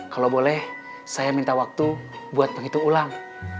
kalau boleh saya minta waktu buat penghitung ulang